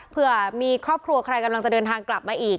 เพื่อมีครอบครัวใครกำลังจะเดินทางกลับมาอีก